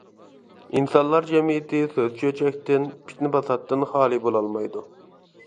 ئىنسانلار جەمئىيىتى سۆز-چۆچەكتىن، پىتنە-پاساتتىن خالىي بولالمايدۇ.